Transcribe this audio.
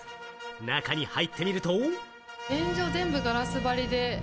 中に入ってみると。